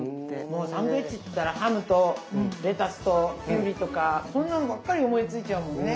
もうサンドイッチっていったらハムとレタスときゅうりとかそんなのばっかり思いついちゃうもんね。